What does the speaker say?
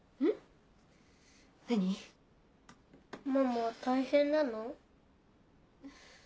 ママ大変なの？